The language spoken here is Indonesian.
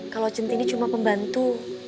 kalau centini cuma pembantu